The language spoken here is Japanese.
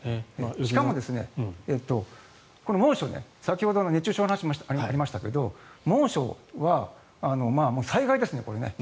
しかも、この猛暑で先ほど熱中症の話がありましたが猛暑は災害ですね。